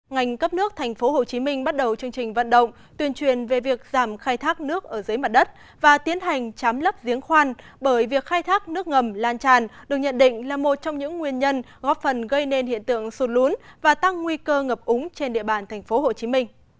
ngành cấp nước tp hcm bắt đầu chương trình vận động tuyên truyền về việc giảm khai thác nước ở dưới mặt đất và tiến hành chám lấp giếng khoan bởi việc khai thác nước ngầm lan tràn được nhận định là một trong những nguyên nhân góp phần gây nên hiện tượng sụt lún và tăng nguy cơ ngập úng trên địa bàn tp hcm